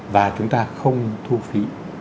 và chúng ta không thu phí